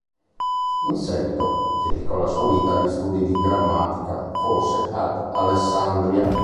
In seguito, dedicò la sua vita agli studi di grammatica, forse ad Alessandria.